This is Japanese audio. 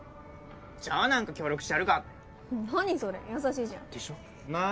じゃあ何か協力してやるかって何それ優しいじゃんでしょまあ